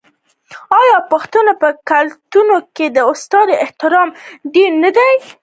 آیا د پښتنو په کلتور کې د استاد احترام ډیر نه دی؟